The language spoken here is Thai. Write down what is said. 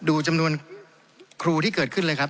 ดูจำนวนครูที่เกิดขึ้นเลยครับ